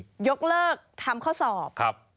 ถ้าอยากยกเลิกทำข้อสอบ